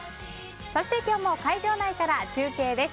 そして今日も会場内から中継です。